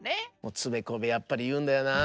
つべこべやっぱりいうんだよな。